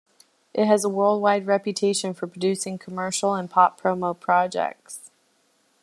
It has a worldwide reputation for producing commercial and pop-promo projects.